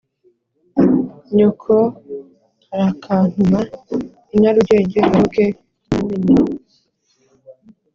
nyoko arakantuma i nyarugenge ngaruke namenye